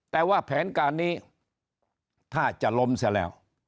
แต่ว่าแผนการนี้ถ้าจะล้มเสียแล้ว